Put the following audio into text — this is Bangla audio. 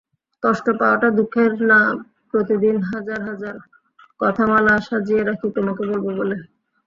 কষ্ট পাওয়াটা দুঃখের নাপ্রতিদিন হাজার হাজার কথামালা সাজিয়ে রাখি তোমাকে বলব বলে।